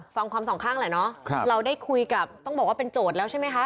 ฟังความสองข้างแหละเนาะเราได้คุยกับต้องบอกว่าเป็นโจทย์แล้วใช่ไหมคะ